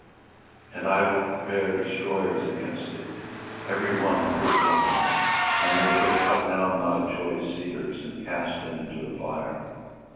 24:022:007 And I will prepare destroyers against thee, every one with his weapons: and they shall cut down thy choice cedars, and cast them into the fire.